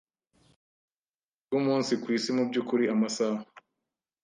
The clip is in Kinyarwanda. bwumunsi kwisi mubyukuri amasaha